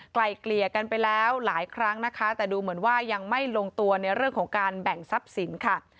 ไกลเกลี่ยกันไปแล้วหลายครั้งนะคะแต่ดูเหมือนว่ายังไม่ลงตัวในเรื่องของการแบ่งทรัพย์สินค่ะ